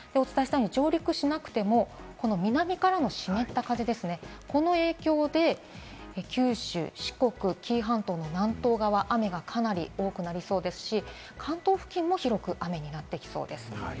上陸しなくても、南からの湿った風ですね、この影響で九州、四国、紀伊半島の南東側、雨がかなり多くなりそうですし、関東付近も広く雨になってきそうです。